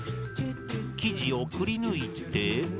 生地をくりぬいて。